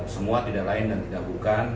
semua tidak lain dan tidak bukan